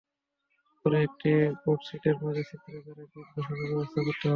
পরে একটি কর্কশিটের মাঝে ছিদ্র করে বীজ বসানোর ব্যবস্থা করতে হবে।